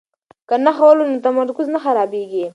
که نښه وولو نو تمرکز نه خرابیږي.